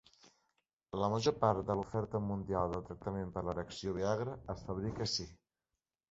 La major part de l'oferta mundial del tractament per l'erecció Viagra es fabrica ací.